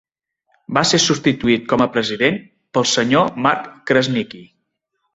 Va ser substituït com a president pel Sr. Mark Krasniqi.